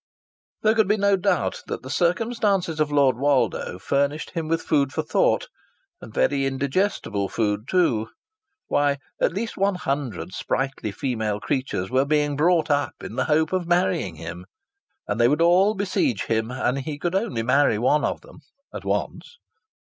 There could be no doubt that the circumstances of Lord Woldo furnished him with food for thought and very indigestible food too.... Why, at least one hundred sprightly female creatures were being brought up in the hope of marrying him. And they would all besiege him, and he could only marry one of them at once!